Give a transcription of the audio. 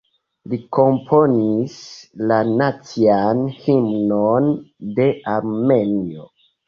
Li komponis la Nacian Himnon de Armenio.